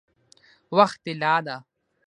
وخت طلا ده؟